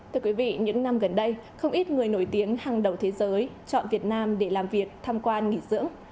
thưa quý vị những năm gần đây không ít người nổi tiếng hàng đầu thế giới chọn việt nam để làm việc tham quan nghỉ dưỡng